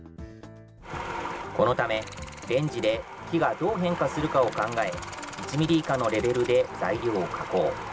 このため、レンジで木はどう変化するかを考え、１ミリ以下のレベルで材料を加工。